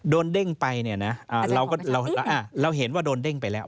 โดนเด้งไปเราเห็นว่าโดนเด้งไปแล้ว